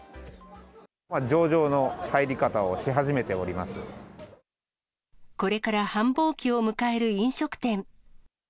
上々の入り方をし始めておりこれから繁忙期を迎える飲食店。